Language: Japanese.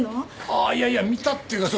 ああいやいや見たっていうか。